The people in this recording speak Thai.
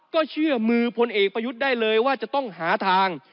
ก็เชื่อมือพลเอกประยุทธ์ได้เลยว่าจะต้องหาทาง